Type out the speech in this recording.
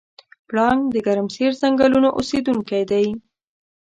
پړانګ د ګرمسیر ځنګلونو اوسېدونکی دی.